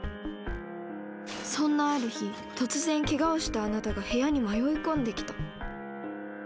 そんなある日突然ケガをしたあなたが部屋に迷い込んできた。